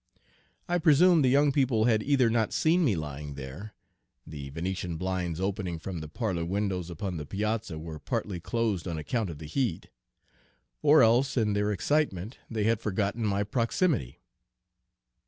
I presume the young people had either Page 196 not seen me lying there, the Venetian blinds opening from the parlor windows upon the piazza were partly closed on account of the heat, or else in their excitement they had forgotten my proximity.